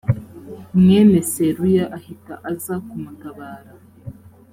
mwene seruya ahita aza kumutabara